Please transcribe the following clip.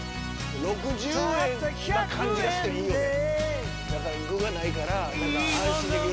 ６０円な感じがしていいよね。